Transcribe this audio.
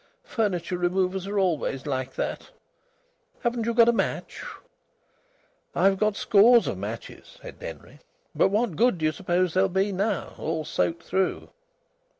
Furniture removers are always like that. Haven't you got a match?" "I've got scores of matches," said Denry. "But what good do you suppose they'll be now, all soaked through?"